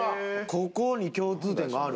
ここに共通点がある？